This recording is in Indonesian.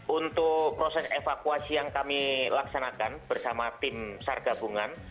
untuk proses evakuasi yang kami laksanakan bersama tim sargabungan